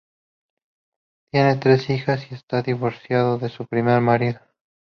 Tiene tres hijas y está divorciada de su primer marido.